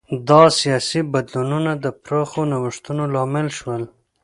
دا سیاسي بدلونونه د پراخو نوښتونو لامل شول.